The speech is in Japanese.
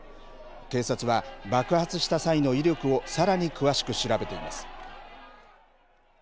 警察は爆発した際の威力をさらに詳しく調べています。